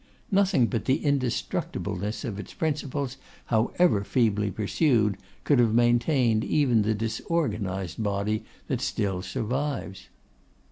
nothing but the indestructibleness of its principles, however feebly pursued, could have maintained even the disorganised body that still survives.